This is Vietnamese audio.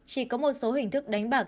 chỉ có một số hình thức đánh bạc